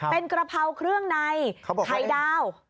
เป็นกระเพราเครื่องในไข่ดาว